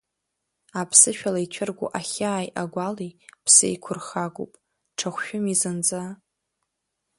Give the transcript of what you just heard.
Аԥсышәала ицәыргоу ахьааи агәалеи ԥсеиқәырхагоуп, ҽа хәшәыми зынӡа.